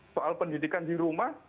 soal pendidikan di rumah